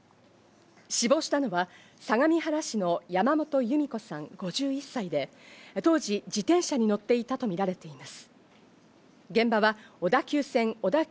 死亡したのは相模原市の山本祐美子さん、５１歳で当時、自転車に乗っていたとみられています。